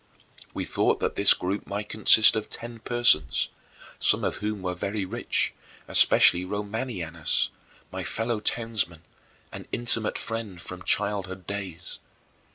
We thought that this group might consist of ten persons, some of whom were very rich especially Romanianus, my fellow townsman, an intimate friend from childhood days.